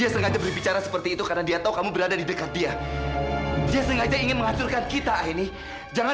sampai jumpa di video selanjutnya